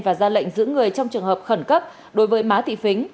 và ra lệnh giữ người trong trường hợp khẩn cấp đối với má thị